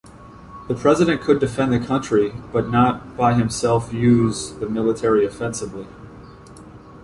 The President could defend the country, but not-by himself-use the military offensively.